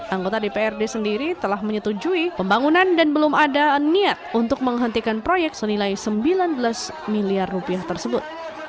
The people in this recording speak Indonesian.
anggota dprd sendiri telah menyetujui pembangunan dan belum ada niat untuk menghentikan proyek senilai sembilan belas miliar rupiah tersebut